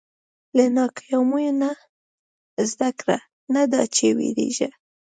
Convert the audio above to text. • له ناکامیو نه زده کړه، نه دا چې وېرېږه.